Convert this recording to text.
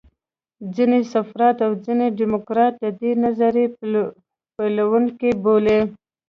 ځینې سقرات او ځینې دیموکریت د دې نظریې پیلوونکي بولي